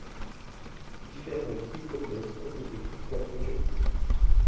Différentes hypothèses ont été formulées.